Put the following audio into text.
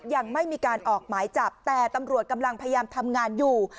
ยังไม่มีการออกหมายจับแต่ตำรวจกำลังพยายามทำงานอยู่